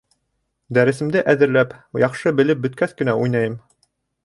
Дәресемде әҙерләп, яҡшы белеп бөткәс кенә уйнайым.